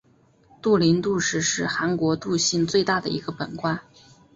杜陵杜氏是韩国杜姓最大的本贯。